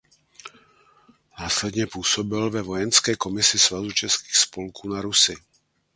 Následně působil ve vojenské komisi Svazu českých spolků na Rusi.